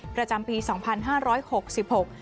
ประจำปีสองพันห้าร้อยหกสิบหก